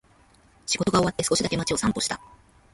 仕事が終わって、少しだけ街を散歩した。